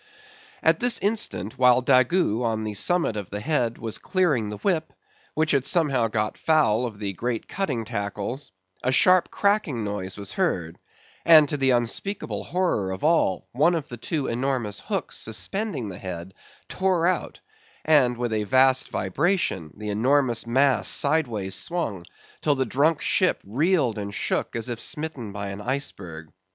At this instant, while Daggoo, on the summit of the head, was clearing the whip—which had somehow got foul of the great cutting tackles—a sharp cracking noise was heard; and to the unspeakable horror of all, one of the two enormous hooks suspending the head tore out, and with a vast vibration the enormous mass sideways swung, till the drunk ship reeled and shook as if smitten by an iceberg.